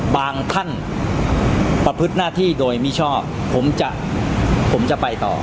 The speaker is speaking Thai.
บางท่านประพฤติหน้าที่โดยมิชอบผมจะผมจะไปต่อ